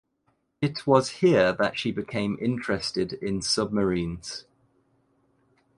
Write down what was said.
It was here that she became interested in submarines.